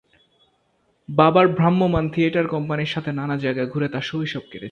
বাবার ভ্রাম্যমাণ থিয়েটার কোম্পানির সাথে নানা জায়গা ঘুরে তার শৈশব কেটেছে।